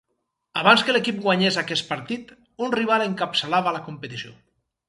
Abans que l'equip guanyés aquest partit, un rival encapçalava la competició.